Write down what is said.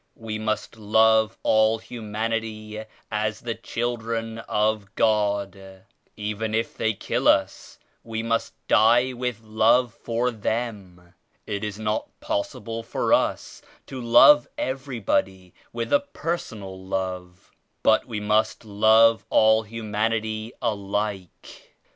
"We must love all humanity as the children of God. Even if they kill us we must die with love for them. It is not possible for us to love every body with a personal love, but we must love all humanity alike.